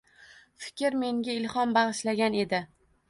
fikr menga ilhom bag‘ishlagan edi.